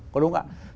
có đúng không ạ